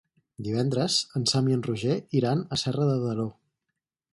Divendres en Sam i en Roger iran a Serra de Daró.